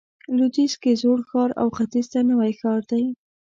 لویدیځ کې زوړ ښار او ختیځ ته نوی ښار دی.